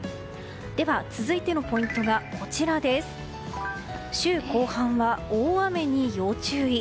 では、続いてのポイントが週後半は大雨に要注意。